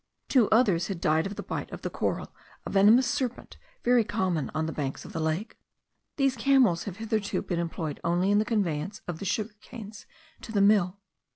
Two others had died of the bite of the coral, a venomous serpent very common on the banks of the lake. These camels have hitherto been employed only in the conveyance of the sugarcanes to the mill.